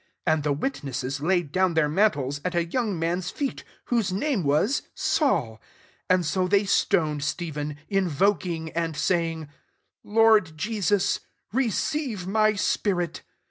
58 And the witnesses laid down their mantles at a young man's feet, whose name was Saul : 59 and so they stoned Stephen, in voking, and saying, "Lord Je sus, receive my spirit."